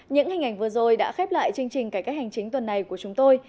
những hình ảnh vừa rồi đã khép lại chương trình cải cách hành chính tuần này của chúng tôi